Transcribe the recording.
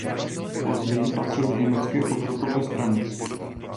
Později patřil k Německé pokrokové straně.